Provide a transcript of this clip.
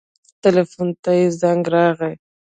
ټېلفون ته يې زنګ راغى.